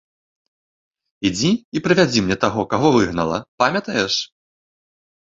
Ідзі і прывядзі мне таго, каго выгнала, памятаеш?